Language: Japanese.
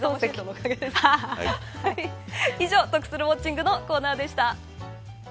以上、得するウォッチングのコーナーでした。